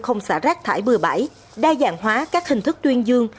không xả rác thải bừa bãi đa dạng hóa các hình thức tuyên dương